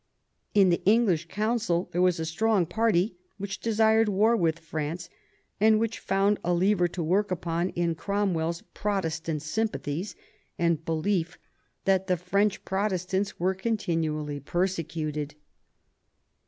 In the English Council there was a strong party which desired war with France, and which found a lever to work upon in Cromwell's Pro testant sjrmpathies and belief that the French Protestants were continually persecuted.